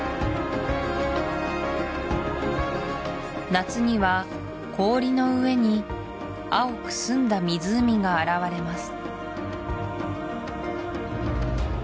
夏には氷の上に青く澄んだ湖が現れます